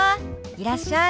いらっしゃい。